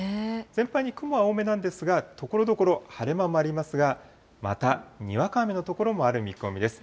全般に雲は多めなんですが、ところどころ晴れ間もありますが、またにわか雨の所もある見込みです。